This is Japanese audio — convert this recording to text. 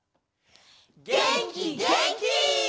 げんきげんき！